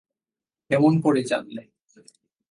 কেমন করে জানলে?